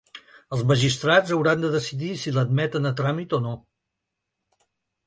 Els magistrats hauran de decidir si l’admeten a tràmit o no.